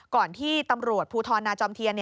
ก่อนที่ตำรวจภูทรนาจอมเทียน